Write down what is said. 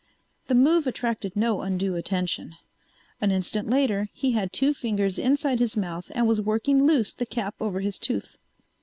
The move attracted no undue attention. An instant later he had two fingers inside his mouth and was working loose the cap over his tooth.